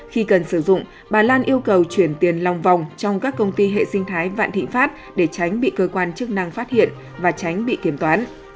khi cần sử dụng bà lan yêu cầu chuyển tiền lòng vòng trong các công ty hệ sinh thái vạn thị pháp để tránh bị cơ quan chức năng phát hiện và tránh bị kiểm toán